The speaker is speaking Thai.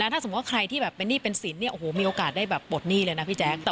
ถ้าสมมุติว่าใครที่แบบเป็นหนี้เป็นสินมีโอกาสได้แบบปลดหนี้เลยนะพี่แจ๊ค